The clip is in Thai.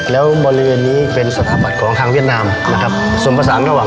แล้วมริเวณนี้เป็นศาสตร์ของทางเวียดนามนะครับสมมุติทางไทยและแนน